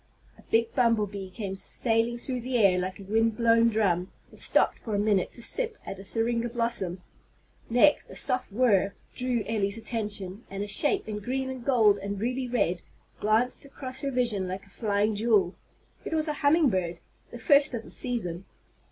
A big bumble bee came sailing through the air like a wind blown drum, and stopped for a minute to sip at a syringa blossom. Next a soft whir drew Elly's attention, and a shape in green and gold and ruby red glanced across her vision like a flying jewel. It was a humming bird, the first of the season.